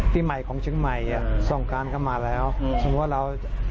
ปีใหม่ของเชียงใหม่อ่ะสงการเข้ามาแล้วสมมุติเรา